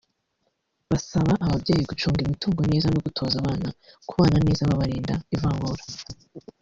basaba ababyeyi gucunga imitungo neza no gutoza abana kubana neza babarinda ivangura